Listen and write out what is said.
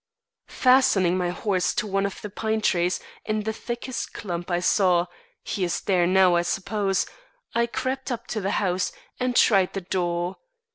"Fastening my horse to one of the pine trees in the thickest clump I saw he is there now, I suppose I crept up to the house, and tried the door.